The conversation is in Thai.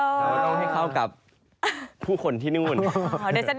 เราต้องให้เข้ากับผู้คนที่นู่น